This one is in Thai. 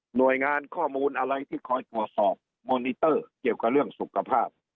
หน่วยงานข้อมูลอะไรที่คอยตรวจสอบมอนิเตอร์เกี่ยวกับเรื่องสุขภาพ